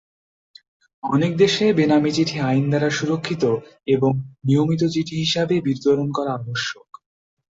অনেক দেশে, বেনামী চিঠি আইন দ্বারা সুরক্ষিত এবং নিয়মিত চিঠি হিসাবেই বিতরণ করা আবশ্যক।